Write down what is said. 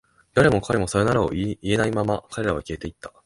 誰も彼らにさよならを言えないまま、彼らは消えていった。